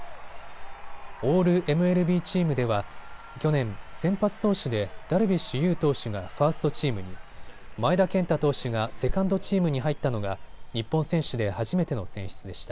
オールＭＬＢチームでは去年、先発投手でダルビッシュ有投手がファーストチームに、前田健太投手がセカンドチームに入ったのが日本選手で初めての選出でした。